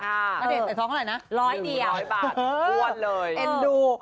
นาเดชน์ใส่ท้องเท่าไหร่นะ๑๐๐เยอะอ้วนเลยเอ็นดู